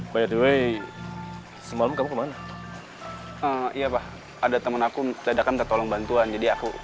by the way semalam kamu kemana iya pak ada teman aku ledakan tertolong bantuan jadi aku